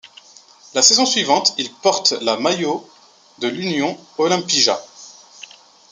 La saison suivante, il porte la maillot de l'Union Olimpija.